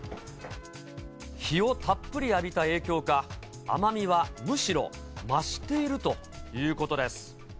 日をたっぷり浴びた影響か、甘みはむしろ増しているということです。